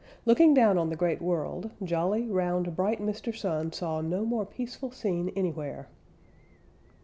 Looking down on the Great World, jolly, round, bright Mr. Sun saw no more peaceful scene anywhere.